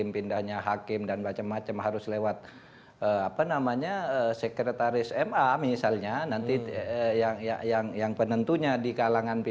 banyak hal yang ingin ditangkap